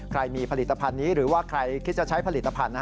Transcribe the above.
ใครมีผลิตภัณฑ์นี้หรือว่าใครคิดจะใช้ผลิตภัณฑ์